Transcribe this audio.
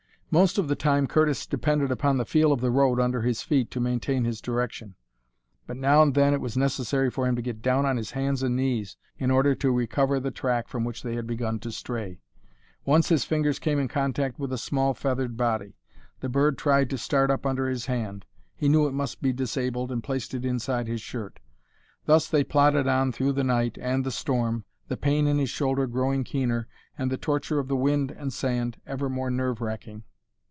Most of the time Curtis depended upon the feel of the road under his feet to maintain his direction, but now and then it was necessary for him to get down on his hands and knees in order to recover the track from which they had begun to stray. Once his fingers came in contact with a small feathered body. The bird tried to start up under his hand. He knew it must be disabled and placed it inside his shirt. Thus they plodded on through the night and the storm, the pain in his shoulder growing keener and the torture of the wind and sand ever more nerve racking.